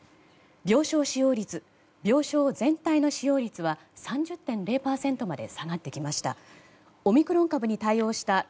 病床使用率、病床全体の使用率は３０．０％まで下がってきました。